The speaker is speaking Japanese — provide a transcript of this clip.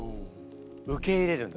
受け入れるんだ。